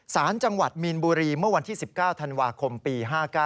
สารจังหวัดมีนบุรีเมื่อวันที่๑๙ธันวาคมปี๕๙